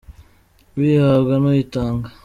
Uyihabwa n’uyitanga